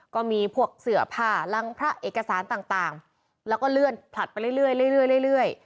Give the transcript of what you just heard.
ก็มีพวกเสื้อผ้าลังพระเอกสารต่างแล้วก็เลื่อนผลัดไปเรื่อย